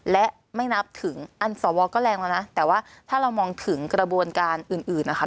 และไม่นับถึงอันสวก็แรงแล้วนะแต่ว่าถ้าเรามองถึงกระบวนการอื่นนะคะ